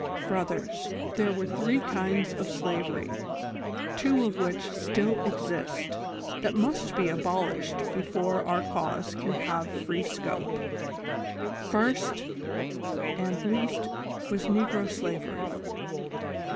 " Brothers, there were three kinds of slavery, two of which still exist, that must be abolished before our cause can have free scope :'' First,— and least, was Xegro Skwery.